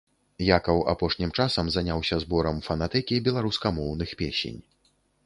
Якаў апошнім часам заняўся зборам фанатэкі беларускамоўных песень.